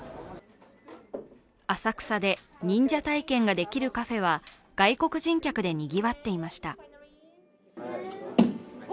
浅草で忍者体験ができるカフェは外国人客でにぎわっていました。